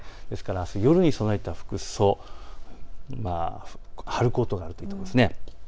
ですからあす夜に備えた服装、春コートがあるといいと思います。